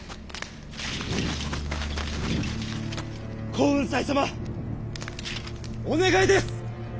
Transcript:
耕雲斎様お願いです。